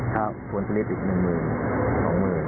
ถ้าส่วนสริปอีก๑หมื่น๒หมื่น